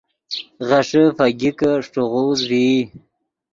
غیݰے فگیکے اݰٹے غوز ڤئی